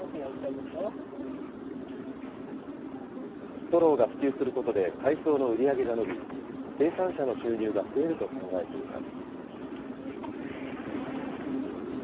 ストローが普及することで、海藻の売り上げが伸び、生産者の収入が増えると考えています。